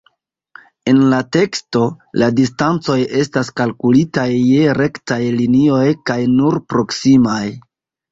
En la teksto, la distancoj estas kalkulitaj je rektaj linioj kaj nur proksimaj.